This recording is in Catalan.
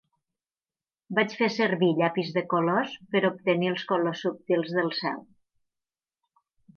Vaig fer servir llapis de colors per obtenir els colors subtils del cel.